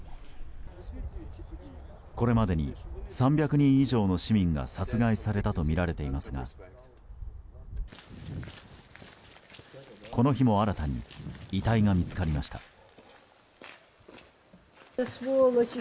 これまでに３００人以上の市民が殺害されたとみられていますがこの日も新たに遺体が見つかりました。